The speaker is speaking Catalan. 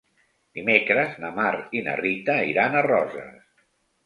Dimecres na Mar i na Rita iran a Roses.